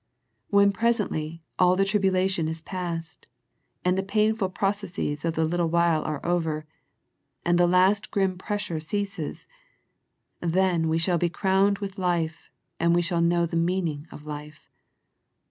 When presently all the tribulation is passed, and the painful pro cesses of the little while are over, and the last grim pressure ceases, then we shall be crowned with life, then we shall know the meaning of life.